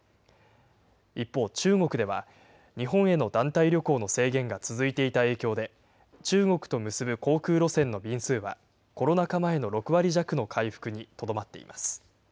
一方、中国では日本への団体旅行の制限が続いていた影響で、中国と結ぶ航空路線の便数はコロナ禍前の６割弱の回復にとどまっています。